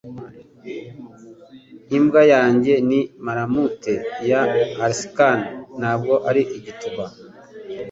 Imbwa yanjye ni malamute ya Alaskan, ntabwo ari igituba.